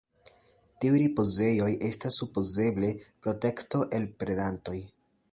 Tiuj ripozejoj estas supozeble protekto el predantoj.